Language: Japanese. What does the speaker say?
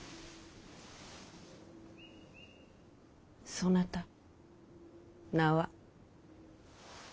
そなた名は？